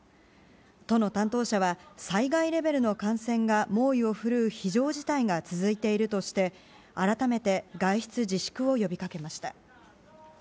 都の担当者は災害レベルの感染が猛威を振るう非常事態が続いているとして改めて外出自粛を呼びかけました。